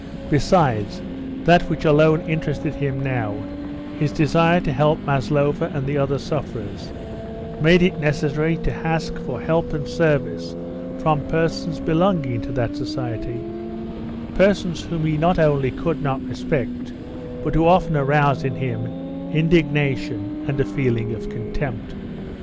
Besides, that which alone interested him now, his desire to help Maslova and the other sufferers, made it necessary to ask for help and service from persons belonging to that society, persons whom he not only could not respect, but who often aroused in him indignation and a feeling of contempt.